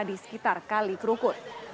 di sekitar kali kerukut